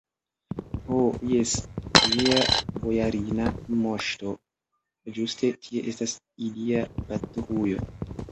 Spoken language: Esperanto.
Ho, jes, via bojarina moŝto, ĝuste tie estas ilia patrujo.